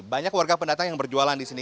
banyak warga pendatang yang berjualan di sini